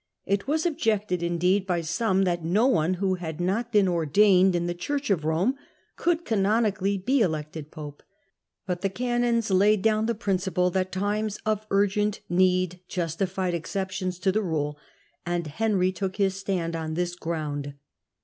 It was objected, indeed, by some that no one who had not been ordained in the Church of Rome could canonically be elected pope, but the canons laid down the principle that times of urgent need justified exceptions to the rule, and Henry took his stand on this ground.